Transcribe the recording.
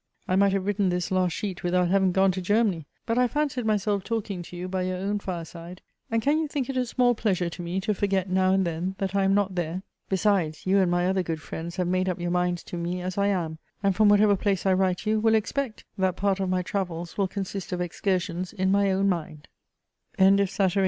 I might have written this last sheet without having gone to Germany; but I fancied myself talking to you by your own fireside, and can you think it a small pleasure to me to forget now and then, that I am not there? Besides, you and my other good friends have made up your minds to me as I am, and from whatever place I write you will expect that part of my "Travels" will consist of excursions in my own mind. LETTER III RATZEBURG.